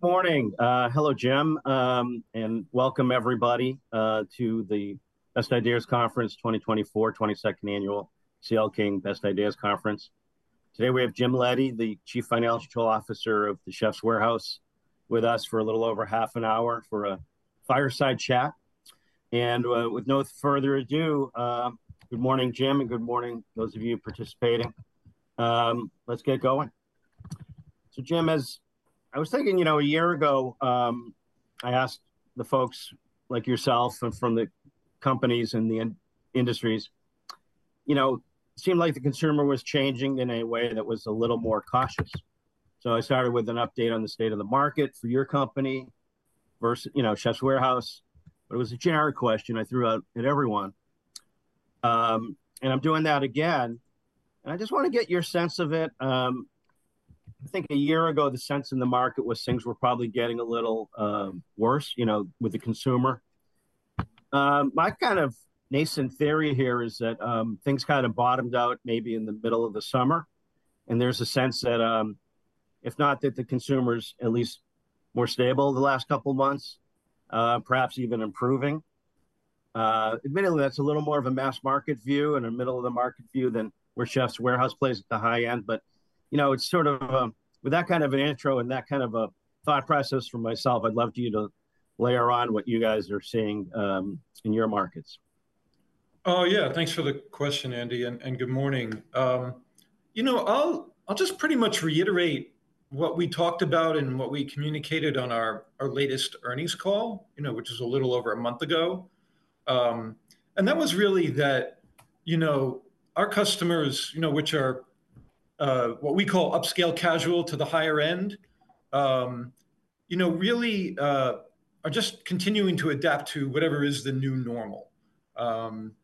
Good morning. Hello, Jim, and welcome everybody to the Best Ideas Conference 2024, 22nd Annual CL King Best Ideas Conference. Today we have Jim Leddy, the Chief Financial Officer of The Chefs' Warehouse, with us for a little over half an hour for a fireside chat. And, with no further ado, good morning, Jim, and good morning those of you participating. Let's get going. So, Jim, I was thinking, you know, a year ago, I asked the folks like yourself and from the companies and the industries, you know, it seemed like the consumer was changing in a way that was a little more cautious. So I started with an update on the state of the market for your company versus, you know, The Chefs' Warehouse, but it was a generic question I threw out at everyone. And I'm doing that again, and I just want to get your sense of it. I think a year ago the sense in the market was things were probably getting a little worse, you know, with the consumer. My kind of nascent theory here is that things kind of bottomed out maybe in the middle of the summer, and there's a sense that if not that the consumer's at least more stable the last couple of months, perhaps even improving. Admittedly, that's a little more of a mass market view and a middle-of-the-market view than where Chefs' Warehouse plays at the high end. But you know, it's sort of. With that kind of an intro and that kind of a thought process from myself, I'd love you to layer on what you guys are seeing in your markets. Oh, yeah. Thanks for the question, Andy, and good morning. You know, I'll just pretty much reiterate what we talked about and what we communicated on our latest earnings call, you know, which is a little over a month ago, and that was really that, you know, our customers, you know, which are what we call upscale casual to the higher end, you know, really are just continuing to adapt to whatever is the new normal.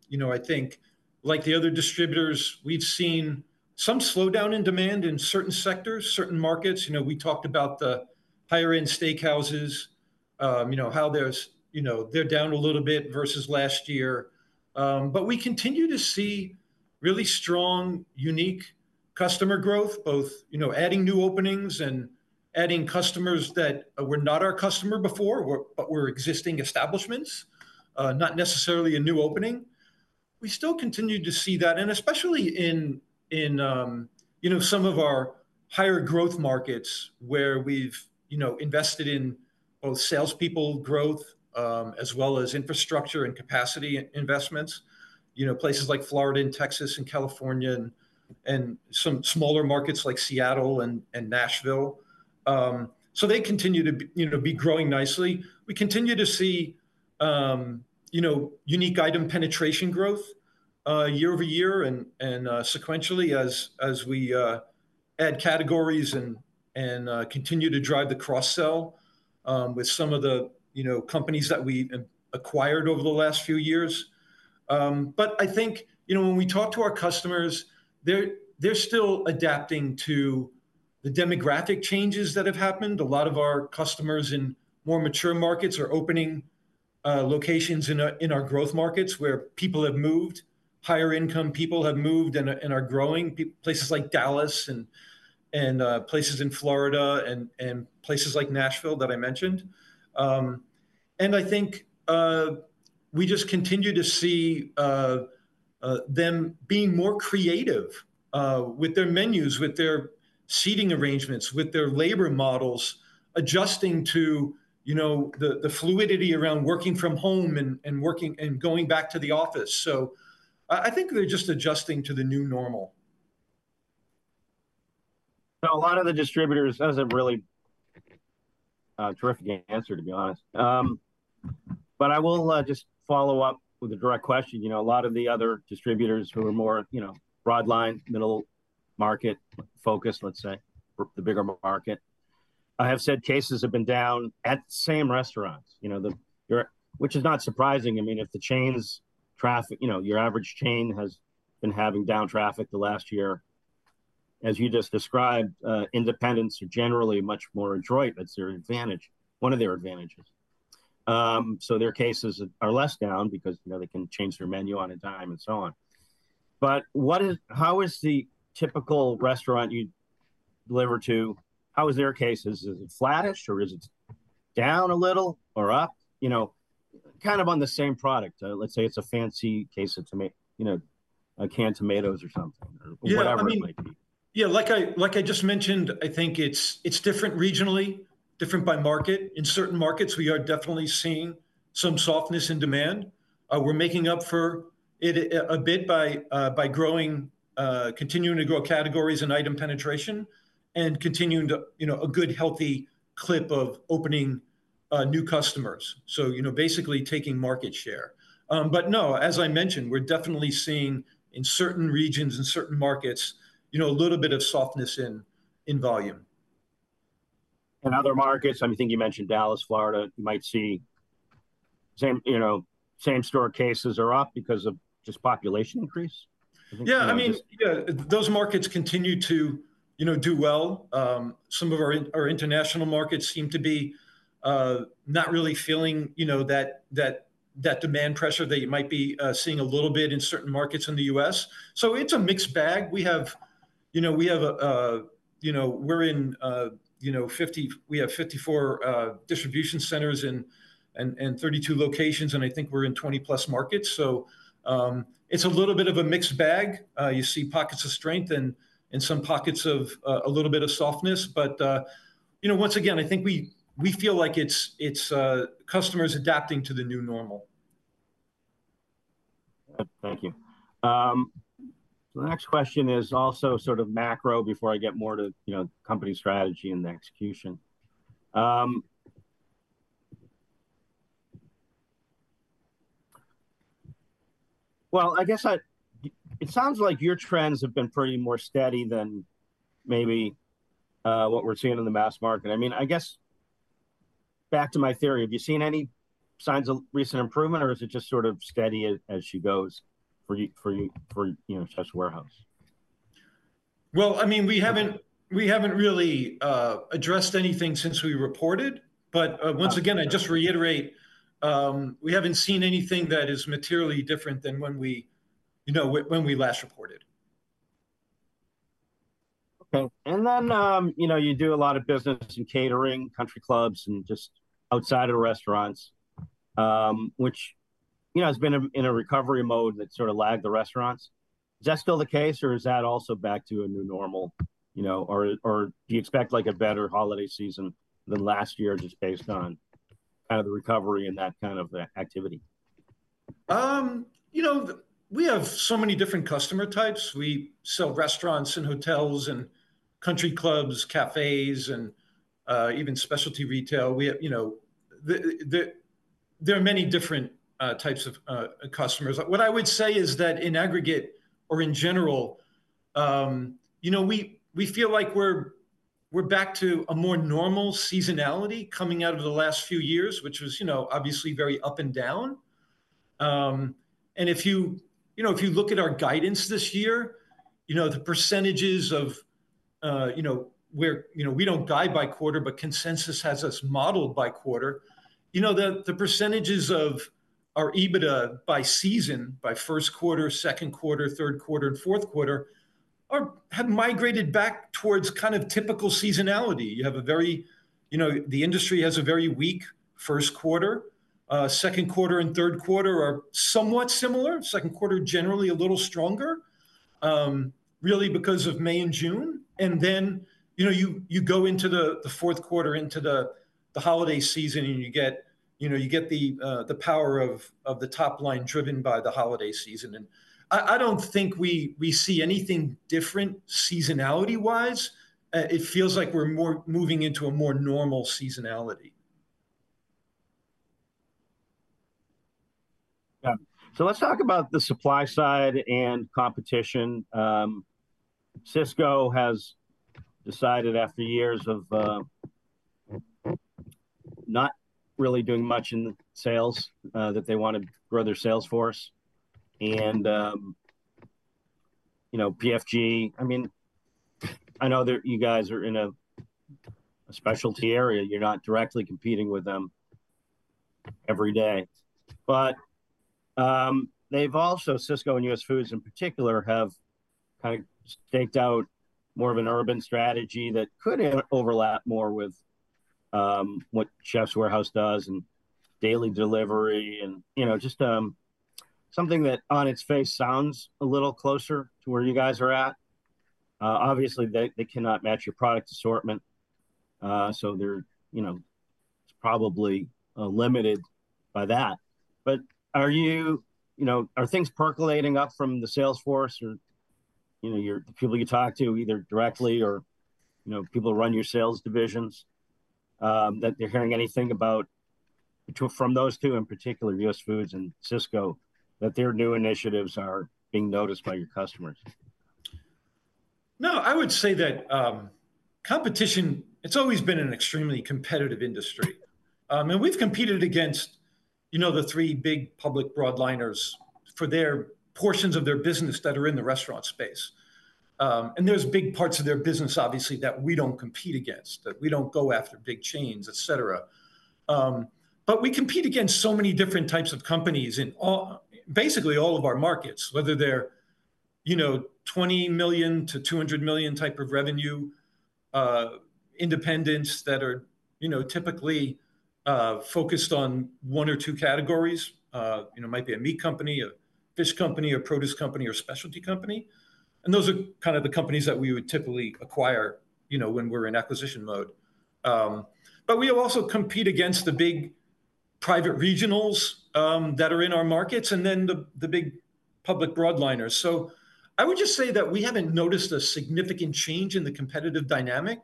You know, I think, like the other distributors, we've seen some slowdown in demand in certain sectors, certain markets. You know, we talked about the higher end steakhouses, you know, how there's, you know, they're down a little bit versus last year. But we continue to see really strong, unique customer growth, both, you know, adding new openings and adding customers that were not our customer before, but were existing establishments, not necessarily a new opening. We still continue to see that, and especially in, you know, some of our higher growth markets, where we've, you know, invested in both salespeople growth, as well as infrastructure and capacity investments. You know, places like Florida and Texas and California and some smaller markets like Seattle and Nashville. So they continue to be, you know, growing nicely. We continue to see, you know, unique item penetration growth, year over year and sequentially as we add categories and continue to drive the cross-sell, with some of the, you know, companies that we've acquired over the last few years. But I think, you know, when we talk to our customers, they're still adapting to the demographic changes that have happened. A lot of our customers in more mature markets are opening locations in our growth markets, where people have moved, higher income people have moved and are growing. Places like Dallas and places in Florida and places like Nashville that I mentioned. And I think we just continue to see them being more creative with their menus, with their seating arrangements, with their labor models, adjusting to, you know, the fluidity around working from home and working and going back to the office. So I think they're just adjusting to the new normal. So a lot of the distributors. That was a really terrific answer, to be honest. But I will just follow up with a direct question. You know, a lot of the other distributors who are more, you know, broadline, middle market-focused, let's say, for the bigger market, have said cases have been down at the same restaurants. You know, which is not surprising. I mean, if the chain's traffic you know, your average chain has been having down traffic the last year, as you just described, independents are generally much more adroit. That's their advantage, one of their advantages. So their cases are less down because, you know, they can change their menu on a dime, and so on. But what is how is the typical restaurant you deliver to, how is their cases? Is it flattish, or is it down a little, or up? You know, kind of on the same product. Let's say it's a fancy case of tomato, you know, a canned tomatoes or something- Yeah, I mean Or whatever it might be. Yeah, like I just mentioned, I think it's different regionally, different by market. In certain markets, we are definitely seeing some softness in demand. We're making up for it a bit by growing, continuing to grow categories and item penetration and continuing to, you know, a good, healthy clip of opening new customers. So, you know, basically taking market share, but no, as I mentioned, we're definitely seeing, in certain regions and certain markets, you know, a little bit of softness in volume. In other markets, I think you mentioned Dallas, Florida, you might see same, you know, same store cases are up because of just population increase, I think, you know, just- Yeah, I mean, yeah, those markets continue to, you know, do well. Some of our our international markets seem to be not really feeling, you know, that demand pressure that you might be seeing a little bit in certain markets in the U.S. So it's a mixed bag. We have. You know, we have a, you know, we're in, you know, 50, we have 54 distribution centers and 32 locations, and I think we're in 20+ markets. So, it's a little bit of a mixed bag. You see pockets of strength and some pockets of a little bit of softness. But, you know, once again, I think we feel like it's customers adapting to the new normal. Thank you. The next question is also sort of macro before I get more to, you know, company strategy and the execution. Well, I guess it sounds like your trends have been pretty more steady than maybe what we're seeing in the mass market. I mean, I guess, back to my theory, have you seen any signs of recent improvement, or is it just sort of steady as she goes for you, you know, Chefs' Warehouse? I mean, we haven't really addressed anything since we reported. But, once again, I just reiterate, we haven't seen anything that is materially different than when we, you know, when we last reported. Okay. And then, you know, you do a lot of business in catering, country clubs, and just outside of restaurants, which, you know, has been in a recovery mode that sort of lagged the restaurants. Is that still the case, or is that also back to a new normal, you know? Or do you expect, like, a better holiday season than last year, just based on kind of the recovery and that kind of activity? You know, we have so many different customer types. We sell restaurants and hotels and country clubs, cafes, and even specialty retail. We have, you know. There are many different types of customers. What I would say is that in aggregate or in general, you know, we feel like we're back to a more normal seasonality coming out of the last few years, which was, you know, obviously very up and down. And if you, you know, if you look at our guidance this year, you know, the percentages of, you know, we're. You know, we don't guide by quarter, but consensus has us modeled by quarter. You know, the percentages of our EBITDA by season, by first quarter, second quarter, third quarter, and fourth quarter, have migrated back towards kind of typical seasonality. You know, the industry has a very weak first quarter. Second quarter and third quarter are somewhat similar. Second quarter generally a little stronger, really because of May and June. And then, you know, you go into the fourth quarter, into the holiday season, and you get the power of the top line driven by the holiday season. And I don't think we see anything different seasonality-wise. It feels like we're moving into a more normal seasonality. Yeah. So let's talk about the supply side and competition. Sysco has decided, after years of not really doing much in the sales, that they want to grow their sales force. And, you know, PFG... I mean, I know that you guys are in a specialty area, you're not directly competing with them every day. But, they've also, Sysco and US Foods in particular, have kind of staked out more of an urban strategy that could overlap more with what Chef's Warehouse does, and daily delivery and, you know, just, something that on its face sounds a little closer to where you guys are at. Obviously, they cannot match your product assortment, so they're, you know, it's probably limited by that. You know, are things percolating up from the sales force or, you know, your, the people you talk to, either directly or, you know, people who run your sales divisions, that they're hearing anything about, from those two in particular, US Foods and Sysco, that their new initiatives are being noticed by your customers? No, I would say that, competition, it's always been an extremely competitive industry. And we've competed against, you know, the three big public broadliners for their portions of their business that are in the restaurant space. And there's big parts of their business, obviously, that we don't compete against, that we don't go after big chains, et cetera. But we compete against so many different types of companies in basically all of our markets, whether they're, you know, 20 million-200 million type of revenue, independents that are, you know, typically, focused on one or two categories. You know, it might be a meat company, a fish company, a produce company, or a specialty company, and those are kind of the companies that we would typically acquire, you know, when we're in acquisition mode. But we also compete against the big private regionals that are in our markets, and then the big public broadliners. So I would just say that we haven't noticed a significant change in the competitive dynamic.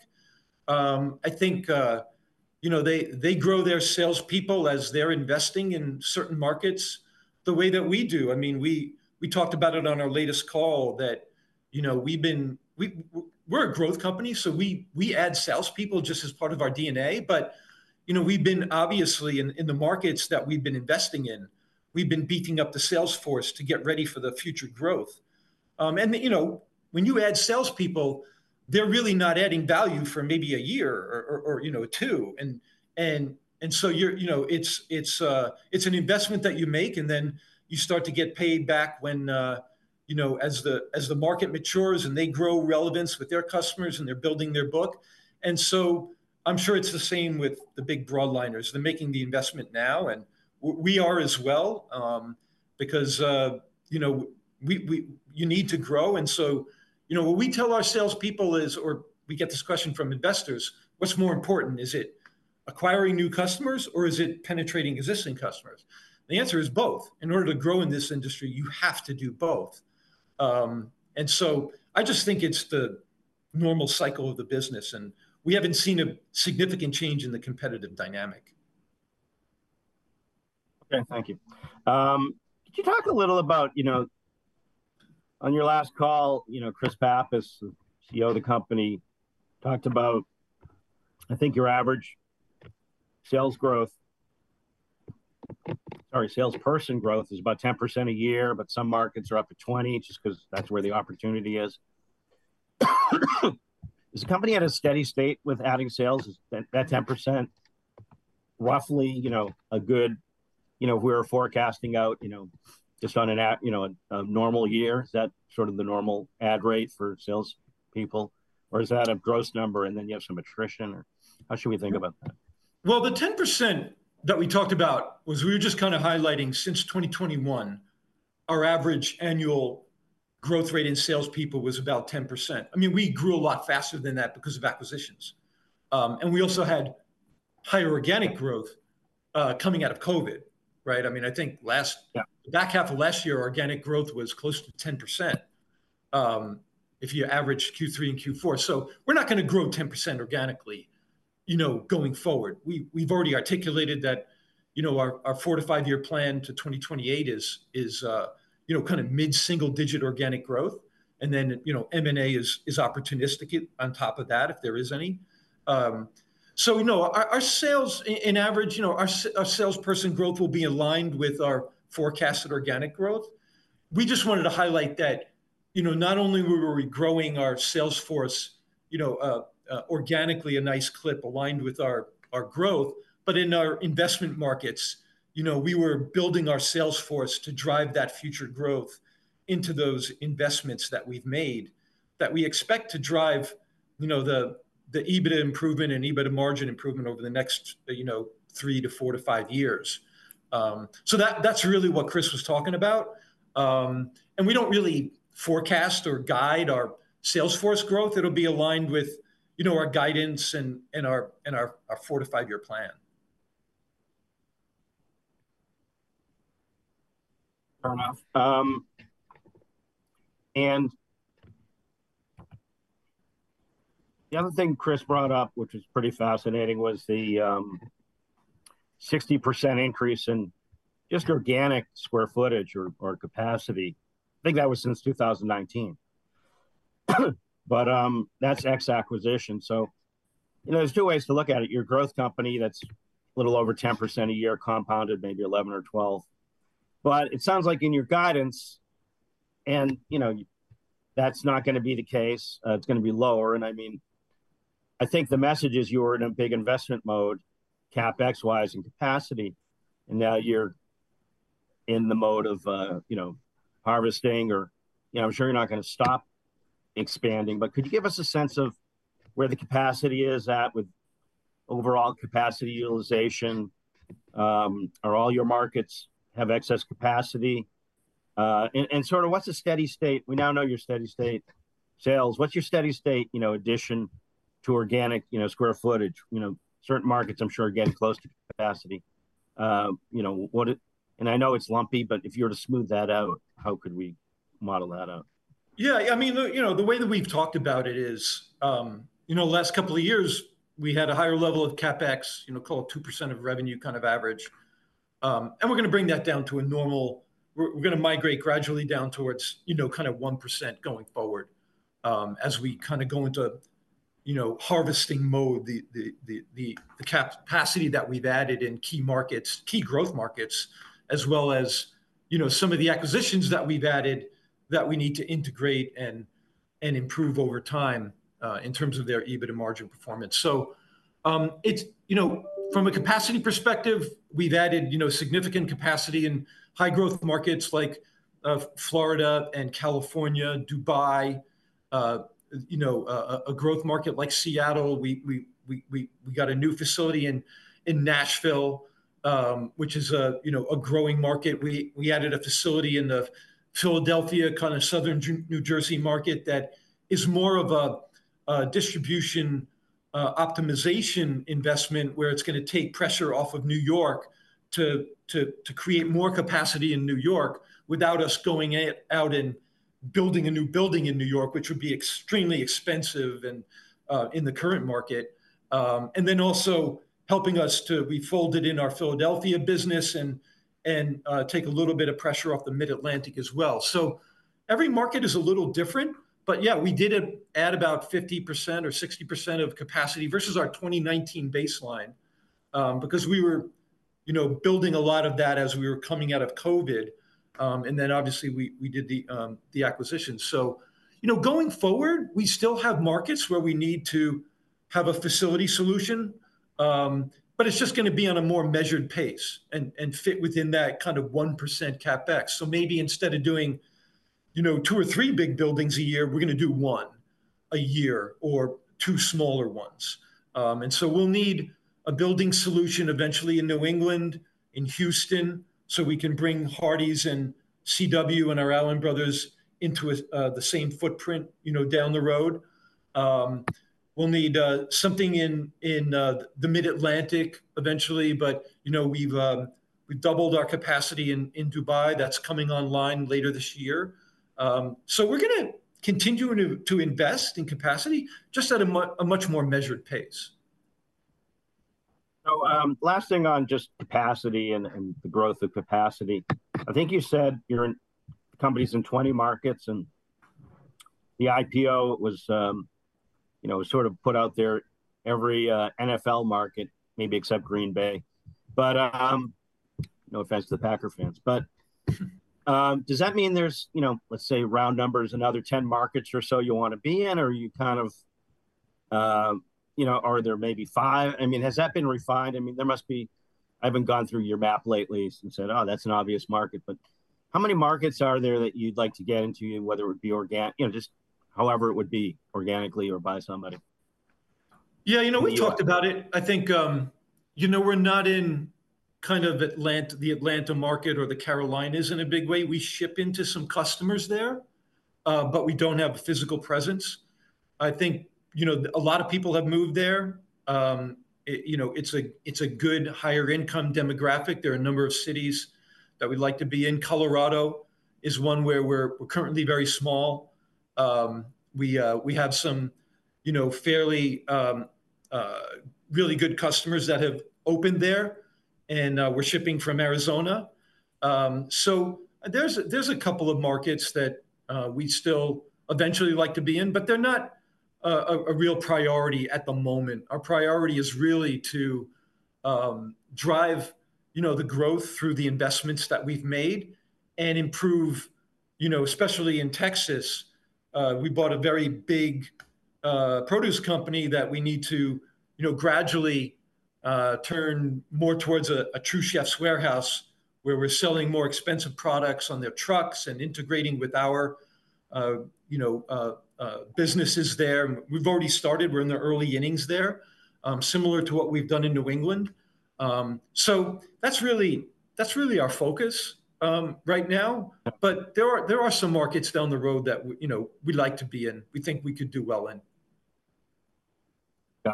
I think you know, they, they grow their salespeople as they're investing in certain markets the way that we do. I mean, we, we talked about it on our latest call, that you know, we've been. We're a growth company, so we, we add salespeople just as part of our DNA. But you know, we've been, obviously, in the markets that we've been investing in, we've been beating up the sales force to get ready for the future growth. And you know, when you add salespeople, they're really not adding value for maybe a year or two. And so you're, you know, it's an investment that you make, and then you start to get paid back when, you know, as the market matures, and they grow relevance with their customers, and they're building their book. And so I'm sure it's the same with the big broadliners. They're making the investment now, and we are as well, because, you know, you need to grow. And so, you know, what we tell our salespeople is, or we get this question from investors: "What's more important? Is it acquiring new customers, or is it penetrating existing customers?" The answer is both. In order to grow in this industry, you have to do both. And so I just think it's the normal cycle of the business, and we haven't seen a significant change in the competitive dynamic. Okay, thank you. Could you talk a little about, you know... On your last call, you know, Chris Pappas, the CEO of the company, talked about, I think, your average sales growth. Sorry, salesperson growth is about 10% a year, but some markets are up to 20% just 'cause that's where the opportunity is. Is the company at a steady state with adding sales? Is that 10% roughly, you know, a good- you know, we're forecasting out, you know, just on a, you know, a normal year, is that sort of the normal add rate for salespeople, or is that a gross number, and then you have some attrition, or how should we think about that? The 10% that we talked about was we were just kind of highlighting since 2021, our average annual growth rate in salespeople was about 10%. I mean, we grew a lot faster than that because of acquisitions. And we also had higher organic growth, coming out of COVID, right? I mean, I think last- Yeah The back half of last year, organic growth was close to 10%, if you average Q3 and Q4, so we're not gonna grow 10% organically, you know, going forward. We, we've already articulated that, you know, our four- to five-year plan to 2028 is, you know, kind of mid-single-digit organic growth, and then, you know, M&A is opportunistic on top of that, if there is any, so no, our sales on average, you know, our salesperson growth will be aligned with our forecasted organic growth. We just wanted to highlight that, you know, not only were we growing our sales force, you know, organically, a nice clip aligned with our growth, but in our investment markets, you know, we were building our sales force to drive that future growth into those investments that we've made, that we expect to drive, you know, the EBITDA improvement and EBITDA margin improvement over the next, you know, three to four to five years. So that's really what Chris was talking about. And we don't really forecast or guide our sales force growth. It'll be aligned with, you know, our guidance and our four to five-year plan. Fair enough. And the other thing Chris brought up, which was pretty fascinating, was the 60% increase in just organic square footage or capacity. I think that was since 2019. But that's ex acquisition. So, you know, there's two ways to look at it. You're a growth company that's a little over 10% a year, compounded maybe 11 or 12. But it sounds like in your guidance, and, you know, that's not gonna be the case, it's gonna be lower. And I mean, I think the message is you were in a big investment mode, CapEx wise, and capacity, and now you're in the mode of, you know, harvesting. You know, I'm sure you're not gonna stop expanding, but could you give us a sense of where the capacity is at with overall capacity utilization? Are all your markets have excess capacity? Sort of what's the steady state? We now know your steady state sales. What's your steady state, you know, addition to organic, you know, square footage? You know, certain markets, I'm sure, are getting close to capacity. And I know it's lumpy, but if you were to smooth that out, how could we model that out? Yeah, I mean, the way that we've talked about it is, you know, the last couple of years, we had a higher level of CapEx, you know, call it 2% of revenue, kind of average. And we're gonna bring that down. We're gonna migrate gradually down towards, you know, kind of 1% going forward, as we kind of go into, you know, harvesting mode, the capacity that we've added in key markets, key growth markets, as well as, you know, some of the acquisitions that we've added that we need to integrate and improve over time, in terms of their EBITDA margin performance. So, you know, from a capacity perspective, we've added, you know, significant capacity in high growth markets like Florida and California, Dubai, you know, a growth market like Seattle. We got a new facility in Nashville, which is a, you know, a growing market. We added a facility in the Philadelphia, kind of southern New Jersey market, that is more of a distribution optimization investment, where it's gonna take pressure off of New York to create more capacity in New York without us going out and building a new building in New York, which would be extremely expensive and in the current market. And then also helping us to. We folded in our Philadelphia business and take a little bit of pressure off the Mid-Atlantic as well. So every market is a little different, but yeah, we did add about 50% or 60% of capacity versus our 2019 baseline, because you know, we were building a lot of that as we were coming out of COVID. And then obviously, we did the acquisition. So, you know, going forward, we still have markets where we need to have a facility solution, but it's just gonna be on a more measured pace and fit within that kind of 1% CapEx. So maybe instead of doing, you know, two or three big buildings a year, we're gonna do one a year or two smaller ones. And so we'll need a building solution eventually in New England, in Houston, so we can bring Hardie's and CW and our Allen Brothers into the same footprint, you know, down the road. We'll need something in the Mid-Atlantic eventually, but, you know, we've doubled our capacity in Dubai. That's coming online later this year, so we're gonna continue to invest in capacity, just at a much more measured pace. So, last thing on just capacity and the growth of capacity. I think you said you're in 20 markets, and the IPO was, you know, sort of put out there, every NFL market, maybe except Green Bay. But no offense to the Packer fans, but does that mean there's, you know, let's say round numbers, another 10 markets or so you wanna be in? Or are you kind of, you know, are there maybe five? I mean, has that been refined? I mean, there must be. I haven't gone through your map lately and said, "Oh, that's an obvious market," but how many markets are there that you'd like to get into, whether it be organ-, you know, just however it would be, organically or by somebody? Yeah, you know, we talked about it. I think, you know, we're not in, kind of, the Atlanta market or the Carolinas in a big way. We ship into some customers there, but we don't have a physical presence. I think, you know, a lot of people have moved there. It, you know, it's a good higher income demographic. There are a number of cities that we'd like to be in. Colorado is one where we're currently very small. We have some, you know, fairly, really good customers that have opened there, and we're shipping from Arizona. So there's a couple of markets that we'd still eventually like to be in, but they're not a real priority at the moment. Our priority is really to drive, you know, the growth through the investments that we've made and improve. You know, especially in Texas, we bought a very big produce company that we need to, you know, gradually turn more towards a true Chefs' Warehouse, where we're selling more expensive products on their trucks and integrating with our businesses there. And we've already started. We're in the early innings there, similar to what we've done in New England. So that's really, that's really our focus right now. Yeah. But there are some markets down the road that you know, we'd like to be in, we think we could do well in. Yeah.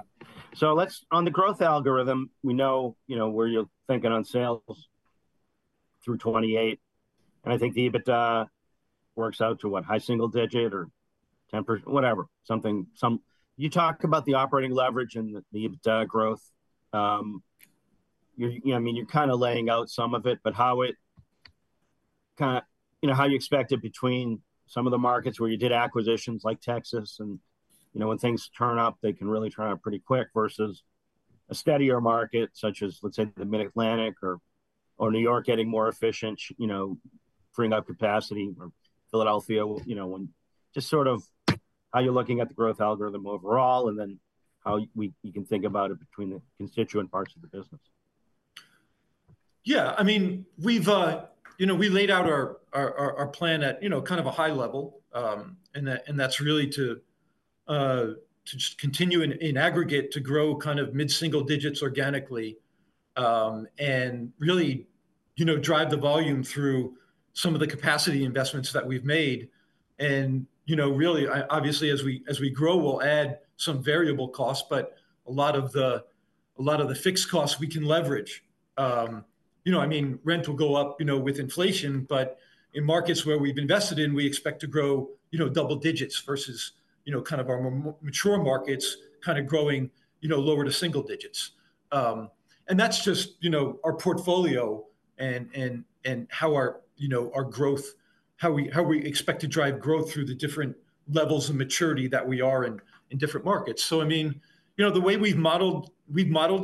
So let's... On the growth algorithm, we know, you know, where you're thinking on sales through '28, and I think the EBITDA works out to what? High single digit or 10% whatever, something, some... You talked about the operating leverage and the EBITDA growth. You're, you know, I mean, you're kind of laying out some of it, but how it kind of- you know, how you expect it between some of the markets where you did acquisitions, like Texas, and, you know, when things turn up, they can really turn up pretty quick, versus a steadier market, such as, let's say, the Mid-Atlantic or, or New York getting more efficient, you know, freeing up capacity, or Philadelphia. Just sort of how you're looking at the growth algorithm overall, and then how you can think about it between the constituent parts of the business. Yeah, I mean, we've. You know, we laid out our plan at, you know, kind of a high level. And that's really to just continue in aggregate to grow kind of mid-single digits organically, and really, you know, drive the volume through some of the capacity investments that we've made. And, you know, really, obviously, as we grow, we'll add some variable costs, but a lot of the fixed costs we can leverage. You know, I mean, rent will go up, you know, with inflation, but in markets where we've invested in, we expect to grow, you know, double digits versus, you know, kind of our mature markets, kind of growing, you know, lower to single digits. And that's just, you know, our portfolio and how our, you know, our growth, how we expect to drive growth through the different levels of maturity that we are in, in different markets. So, I mean, you know, the way we've modeled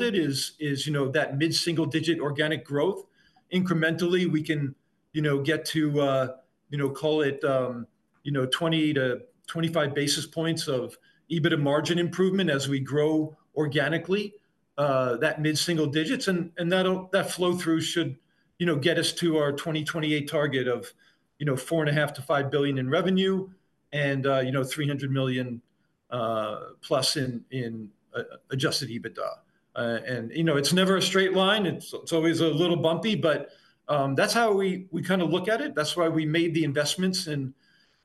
it is, you know, that mid-single digit organic growth. Incrementally, we can, you know, get to, you know, call it, you know, 20 basis points to 25 basis points of EBITDA margin improvement as we grow organically, that mid-single digits. And that'll, that flow-through should, you know, get us to our 2028 target of, you know, $4.5 billion-$5 billion in revenue and, you know, $300 million, plus in adjusted EBITDA. And, you know, it's never a straight line. It's always a little bumpy, but that's how we kind of look at it. That's why we made the investments and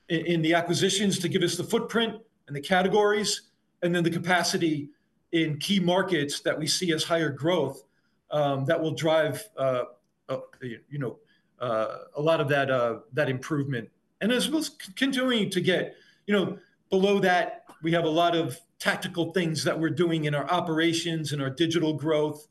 in the acquisitions to give us the footprint and the categories, and then the capacity in key markets that we see as higher growth that will drive you know a lot of that improvement. As we're continuing to get you know below that, we have a lot of tactical things that we're doing in our operations and our digital growth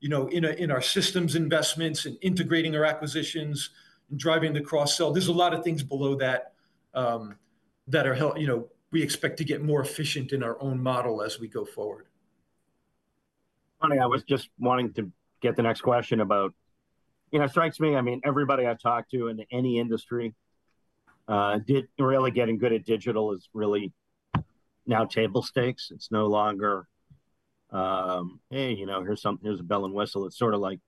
you know in our systems investments, in integrating our acquisitions, and driving the cross-sell. There's a lot of things below that that are helping you know we expect to get more efficient in our own model as we go forward. Funny, I was just wanting to get the next question about. You know, it strikes me, I mean, everybody I talk to in any industry, really getting good at digital is really now table stakes. It's no longer, "Hey, you know, here's something, here's a bell and whistle." It's sort of like,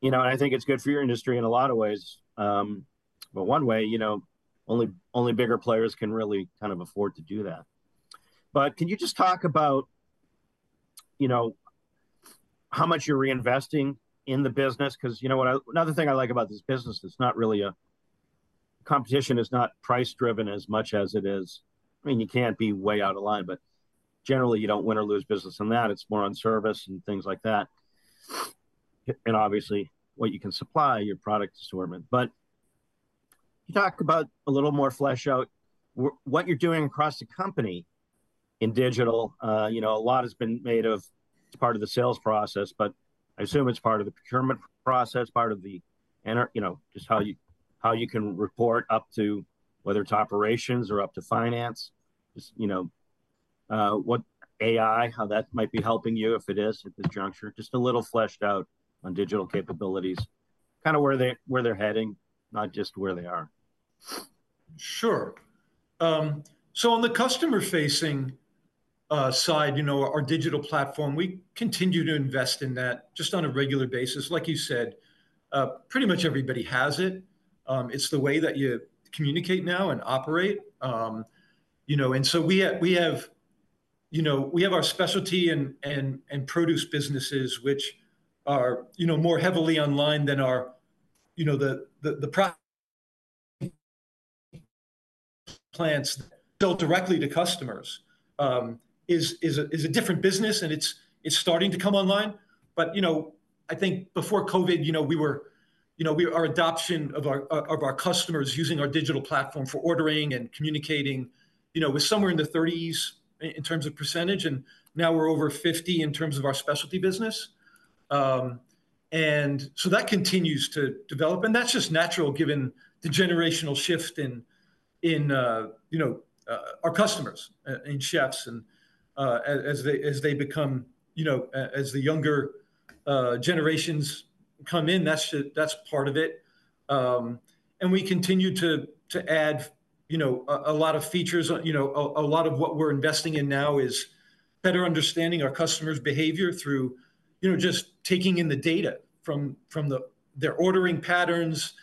you know, and I think it's good for your industry in a lot of ways. But one way, you know, only, only bigger players can really kind of afford to do that. But can you just talk about, you know, how much you're reinvesting in the business? Because you know what another thing I like about this business, it's not really a. Competition is not price-driven as much as it is. I mean, you can't be way out of line, but generally you don't win or lose business on that. It's more on service and things like that. And obviously, what you can supply, your product assortment. But can you talk about a little more flesh out what you're doing across the company in digital? You know, a lot has been made of, it's part of the sales process, but I assume it's part of the procurement process, part of the you know, just how you, how you can report up to, whether it's operations or up to finance. Just, you know, what AI, how that might be helping you, if it is at this juncture. Just a little fleshed out on digital capabilities, kind of where they, where they're heading, not just where they are. Sure. So on the customer-facing side, you know, our digital platform, we continue to invest in that, just on a regular basis. Like you said, pretty much everybody has it. It's the way that you communicate now and operate. You know, and so we have, you know, we have our specialty and produce businesses, which are, you know, more heavily online than our, you know, the plants sold directly to customers, and it's a different business, and it's starting to come online, but you know, I think before Covid, you know, we were, you know, our adoption of our customers using our digital platform for ordering and communicating, you know, was somewhere in the 30s in terms of percentage, and now we're over 50% in terms of our specialty business. And so that continues to develop, and that's just natural given the generational shift in you know, our customers and chefs and as they become, you know, as the younger generations come in. That's just part of it. And we continue to add, you know, a lot of features on, you know. A lot of what we're investing in now is better understanding our customer's behavior through, you know, just taking in the data from their ordering patterns.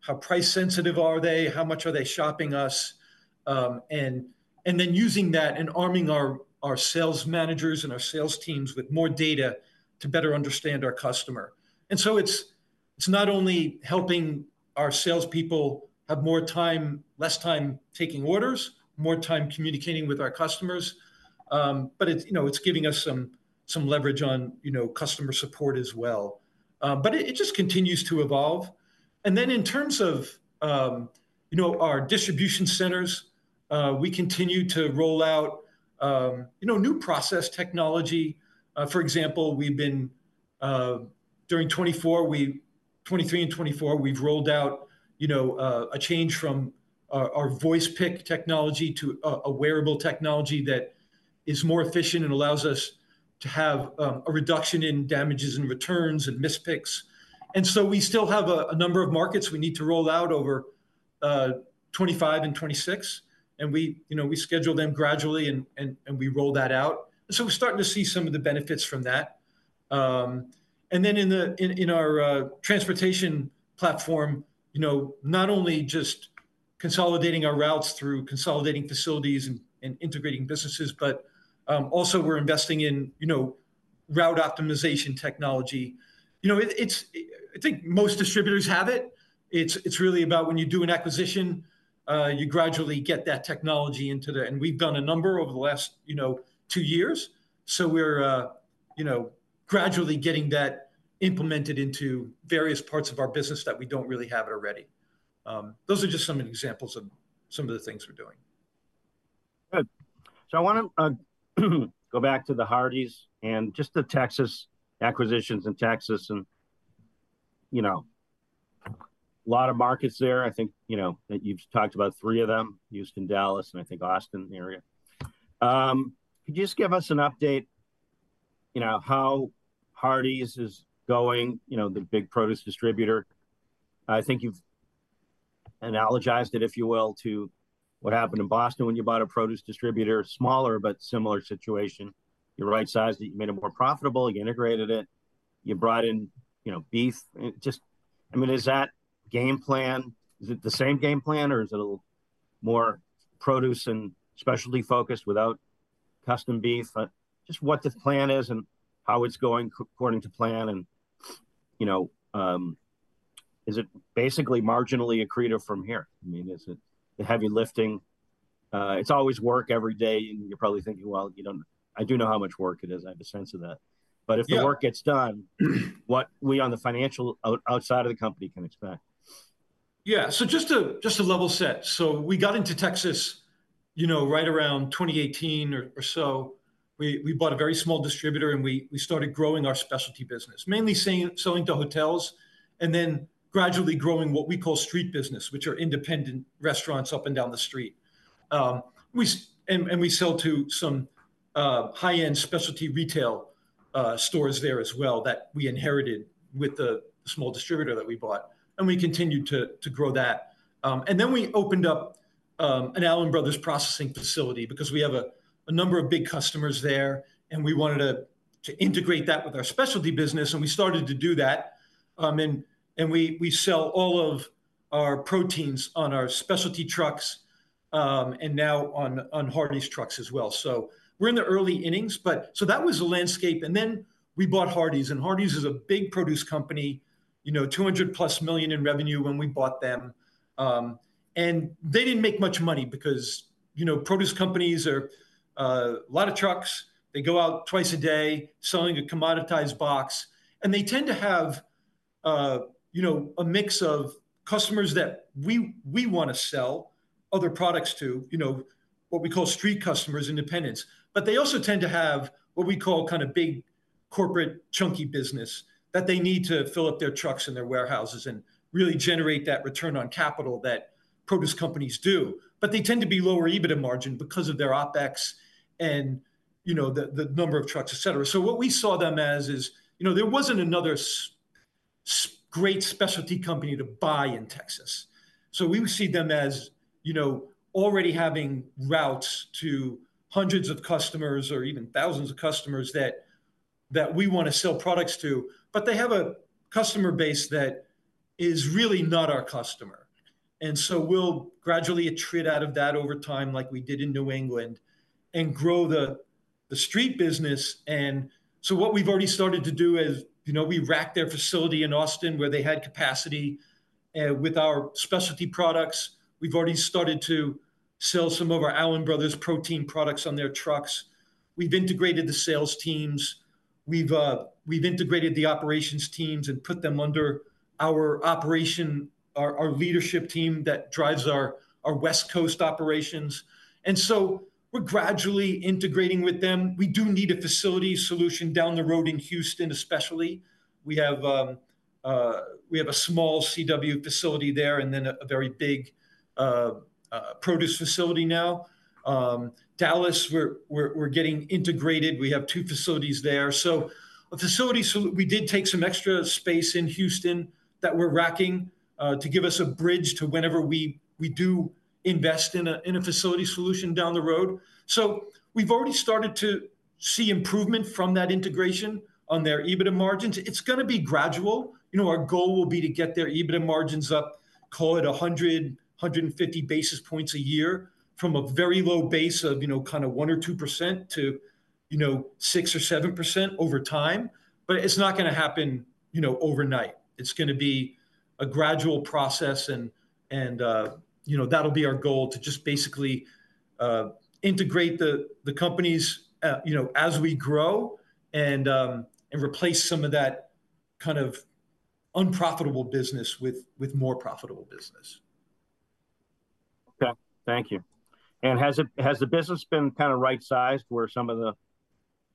How price sensitive are they? How much are they shopping us? And then using that and arming our sales managers and our sales teams with more data to better understand our customer. And so it's not only helping our salespeople have more time, less time taking orders, more time communicating with our customers, but it's, you know, it's giving us some leverage on, you know, customer support as well. But it just continues to evolve. And then in terms of, you know, our distribution centers, we continue to roll out, you know, new process technology. For example, during 2023 and 2024, we've rolled out, you know, a change from our voice pick technology to a wearable technology that is more efficient and allows us to have a reduction in damages and returns and mispicks. And so we still have a number of markets we need to roll out over 2025 and 2026. We, you know, we schedule them gradually, and we roll that out, so we're starting to see some of the benefits from that, and then in our transportation platform, you know, not only just consolidating our routes through consolidating facilities and integrating businesses, but also we're investing in, you know, route optimization technology. You know, it's, I think most distributors have it. It's really about when you do an acquisition, you gradually get that technology into the... We've done a number over the last, you know, two years, so we're, you know, gradually getting that implemented into various parts of our business that we don't really have it already. Those are just some examples of some of the things we're doing. Good. So I wanna, go back to the Hardie's and just the Texas, acquisitions in Texas, and, you know, a lot of markets there. I think, you know, that you've talked about three of them: Houston, Dallas, and I think Austin area. Could you just give us an update, you know, how Hardie's is going, you know, the big produce distributor? I think you've analogized it, if you will, to what happened in Boston when you bought a produce distributor. Smaller, but similar situation. You're right sized it, you made it more profitable, you integrated it, you brought in, you know, beef. And just, I mean, is that game plan? Is it the same game plan, or is it a little more produce and specialty focused without custom beef? But just what the plan is and how it's going according to plan, and you know, is it basically marginally accretive from here? I mean, is it the heavy lifting? It's always work every day, and you're probably thinking, "Well, you know..." I do know how much work it is. I have a sense of that. Yeah. But if the work gets done, what we, on the financial outside of the company, can expect? Yeah, so just to level set, so we got into Texas, you know, right around twenty eighteen or so, we bought a very small distributor, and we started growing our specialty business, mainly selling to hotels, and then gradually growing what we call street business, which are independent restaurants up and down the street. We and we sell to some high-end specialty retail stores there as well that we inherited with the small distributor that we bought, and we continued to grow that. And then we opened up an Allen Brothers processing facility because we have a number of big customers there, and we wanted to integrate that with our specialty business, and we started to do that. and we sell all of our proteins on our specialty trucks, and now on Hardie's trucks as well. So we're in the early innings, but so that was the landscape, and then we bought Hardie's, and Hardie's is a big produce company, you know, $200+ million in revenue when we bought them. And they didn't make much money because, you know, produce companies are a lot of trucks. They go out twice a day selling a commoditized box, and they tend to have, you know, a mix of customers that we want to sell other products to, you know, what we call street customers, independents. But they also tend to have what we call kind of big, corporate, chunky business that they need to fill up their trucks and their warehouses and really generate that return on capital that produce companies do. But they tend to be lower EBITDA margin because of their OpEx and, you know, the number of trucks, et cetera. So what we saw them as is, you know, there wasn't another great specialty company to buy in Texas, so we would see them as, you know, already having routes to hundreds of customers or even thousands of customers that we want to sell products to, but they have a customer base that is really not our customer, and so we'll gradually attrit out of that over time, like we did in New England, and grow the street business. And so what we've already started to do is, you know, we racked their facility in Austin, where they had capacity, with our specialty products. We've already started to sell some of our Allen Brothers protein products on their trucks. We've integrated the sales teams. We've integrated the operations teams and put them under our leadership team that drives our West Coast operations, and so we're gradually integrating with them. We do need a facility solution down the road in Houston, especially. We have a small CW facility there, and then a very big produce facility now. Dallas, we're getting integrated. We have two facilities there. We did take some extra space in Houston that we're racking to give us a bridge to whenever we do invest in a facility solution down the road. So we've already started to see improvement from that integration on their EBITDA margins. It's gonna be gradual. You know, our goal will be to get their EBITDA margins up, call it 100-150 basis points a year, from a very low base of, you know, kind of 1%-2% to, you know, 6%-7% over time, but it's not gonna happen, you know, overnight. It's gonna be a gradual process, and you know, that'll be our goal, to just basically integrate the companies, you know, as we grow and replace some of that kind of unprofitable business with more profitable business. Okay, thank you. And has the business been kind of right-sized, where some of the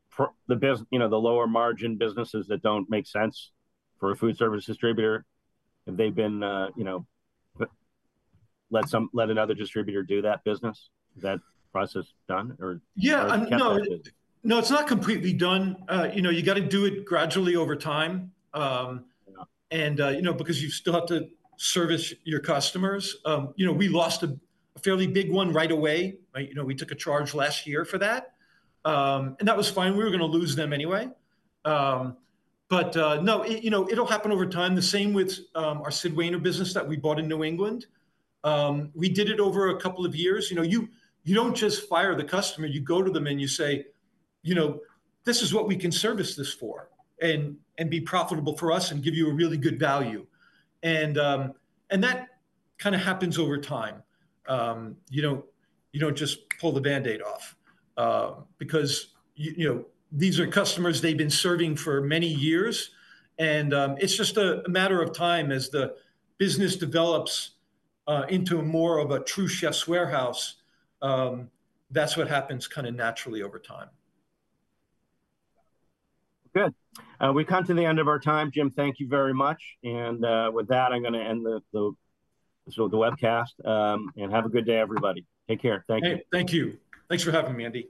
produce business, you know, the lower-margin businesses that don't make sense for a food service distributor, have they been, you know, let another distributor do that business? Is that process done, or- Yeah, no- kind of close to it? No, it's not completely done. You know, you gotta do it gradually over time, and you know, because you still have to service your customers. You know, we lost a fairly big one right away, right? You know, we took a charge last year for that. And that was fine. We were gonna lose them anyway. But no, you know, it'll happen over time. The same with our Sid Wainer business that we bought in New England. We did it over a couple of years. You know, you don't just fire the customer. You go to them, and you say, "You know, this is what we can service this for, and be profitable for us and give you a really good value." And that kind of happens over time. You don't, you don't just pull the Band-Aid off, because you know, these are customers they've been serving for many years, and it's just a matter of time as the business develops into more of a true chef's warehouse. That's what happens kind of naturally over time. Good. We've come to the end of our time. Jim, thank you very much, and with that, I'm gonna end the webcast, and have a good day, everybody. Take care. Thank you. Hey, thank you. Thanks for having me, Andy.